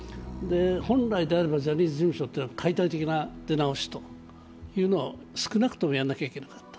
本来であればジャニーズ事務所は解体的な出直しというのを少なくともやらなきゃいけなかった。